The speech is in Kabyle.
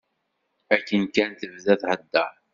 Akken kan tebda thedder.